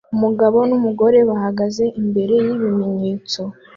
Umugabo numugore bahagaze imbere yibimenyetso